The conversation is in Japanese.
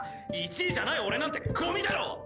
１位じゃない俺なんてゴミだろ！